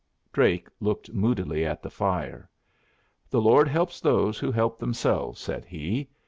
Drake looked moodily at the fire. "The Lord helps those who help themselves," said he.